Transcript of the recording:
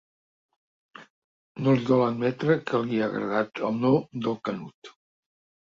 No li dol admetre que li ha agradat el no del Canut.